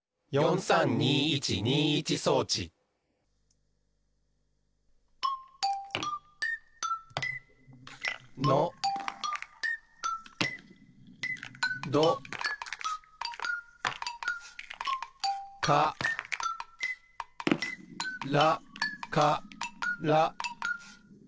４３２１２１装置のどからから。